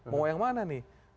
mau yang mana nih